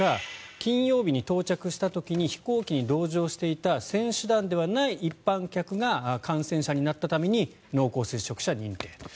金曜日に到着した時に飛行機に同乗していた選手団ではない一般客が感染者になったために濃厚接触者認定と。